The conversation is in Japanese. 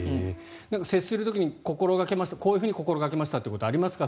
接する時にこういうふうに心掛けましたということありますか？